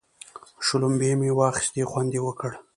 شلومبې مو واخيستې خوند یې وکړ.